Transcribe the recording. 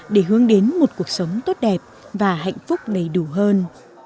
về một cuộc sống tốt đẹp và hạnh phúc đầy đủ hơn